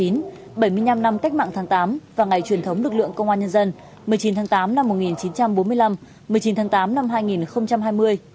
bảy mươi năm năm cách mạng tháng tám và ngày truyền thống lực lượng công an nhân dân một mươi chín tháng tám năm một nghìn chín trăm bốn mươi năm một mươi chín tháng tám năm hai nghìn hai mươi